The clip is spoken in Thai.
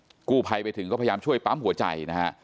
กู้ภัยไปถึงก็พยายามช่วยปั๊มหัวใจนะฮะ